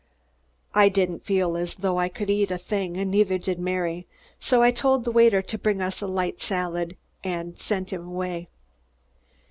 I didn't feel as though I could eat a thing and neither did Mary, so I told the waiter to bring us a light salad, and sent him away.